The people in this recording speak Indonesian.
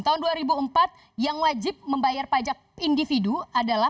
tahun dua ribu empat yang wajib membayar pajak individu adalah